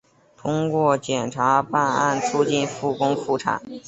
通过检察办案促进复工复产